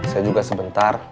saya juga sebentar